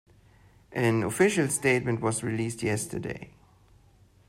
An official statement was released yesterday.